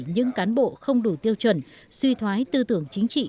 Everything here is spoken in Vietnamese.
những cán bộ không đủ tiêu chuẩn suy thoái tư tưởng chính trị